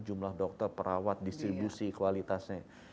jumlah dokter perawat distribusi kualitasnya